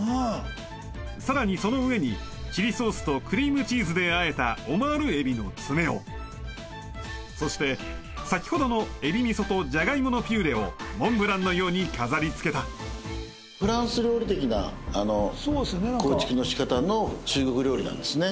さらにその上にチリソースとクリームチーズであえたオマールエビの爪をそして先ほどのエビみそとじゃがいものピューレをモンブランのように飾りつけたフランス料理的な構築の仕方の中国料理なんですね